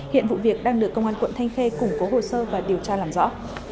hiện vụ việc đang được công an quận thanh khê củng cố hồ sơ và điều tra làm rõ